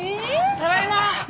ただいま！